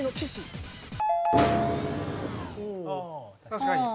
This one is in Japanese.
確かに。